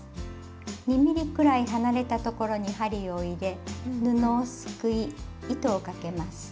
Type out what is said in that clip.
２ｍｍくらい離れた所に針を入れ布をすくい糸をかけます。